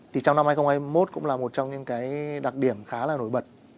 thì trong năm hai nghìn hai mươi một cũng là một trong những cái đặc điểm khá là nổi bật